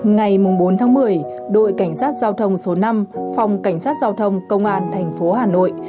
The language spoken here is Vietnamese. ngày bốn một mươi đội cảnh sát giao thông số năm phòng cảnh sát giao thông công an tp hà nội